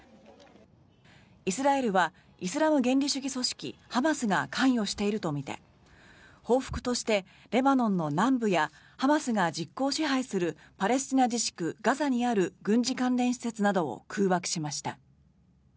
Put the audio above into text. イスラエルはイスラム原理主義組織ハマスが関与しているとみて報復としてレバノンの南部やハマスが実効支配するパレスチナ自治区ガザにある軍事関連施設などを空爆しました。